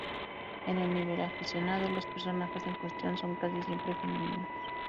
En el nivel aficionado los personajes en cuestión son casi siempre femeninos.